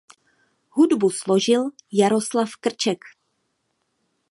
Hudbu složil Jaroslav Krček.